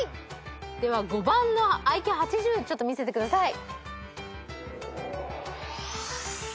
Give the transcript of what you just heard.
では５番のＩＱ８０ちょっと見せてください。